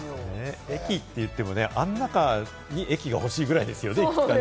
駅っていっても、あの中に駅が欲しいぐらいですよね。